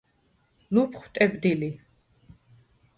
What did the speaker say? ლუფხუ̂ ტებდი ლი.